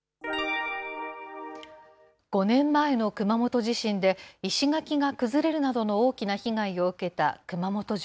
５年前の熊本地震で、石垣が崩れるなどの大きな被害を受けた熊本城。